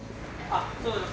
そうです。